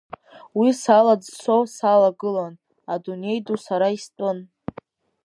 Уи салаӡсо салагылан, адунеи ду сара истәын.